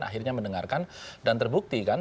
akhirnya mendengarkan dan terbukti kan